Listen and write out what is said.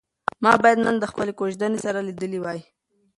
ما باید نن د خپلې کوژدنې سره لیدلي وای.